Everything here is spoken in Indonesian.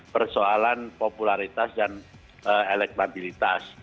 persoalan popularitas dan elektabilitas